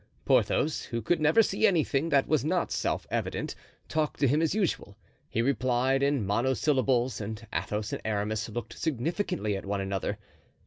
Porthos, who could never see anything that was not self evident, talked to him as usual. He replied in monosyllables and Athos and Aramis looked significantly at one another.